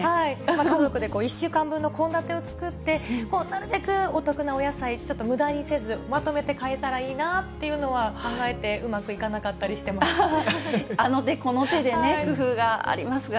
家族で１週間分の献立を作って、なるべくお得なお野菜、ちょっとむだにせず、まとめて買えたらいいなっていうのは、考えて、あの手この手でね、工夫がありますが。